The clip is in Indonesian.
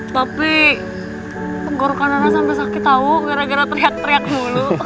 tapi penggorokan rara sampe sakit tau gara gara teriak teriak mulu